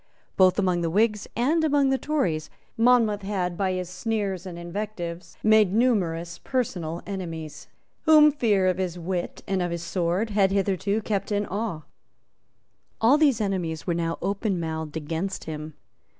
Both among the Whigs and among the Tories Monmouth had, by his sneers and invectives, made numerous personal enemies, whom fear of his wit and of his sword had hitherto kept in awe. All these enemies were now openmouthed against him.